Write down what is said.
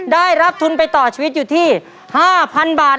ได้รับทุนไปต่อชีวิตอยู่ที่๕๐๐๐บาท